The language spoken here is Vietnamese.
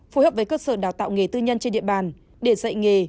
phối hợp với cơ sở đào tạo nghề tư nhân trên địa bàn để dạy nghề